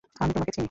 আমি তোমাকে চিনি!